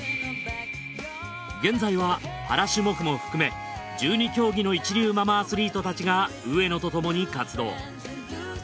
現在はパラ種目も含め１２競技の一流ママアスリートたちが上野とともに活動。